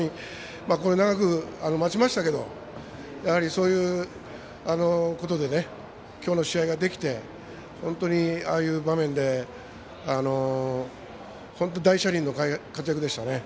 長く待ちましたけどそういうことできょうの試合ができて本当にああいう場面で本当、大車輪の活躍でしたね。